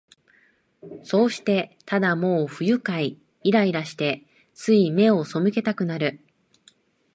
そうして、ただもう不愉快、イライラして、つい眼をそむけたくなる